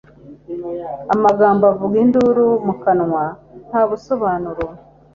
amagambo avuza induru mu kanwa nta busobanuro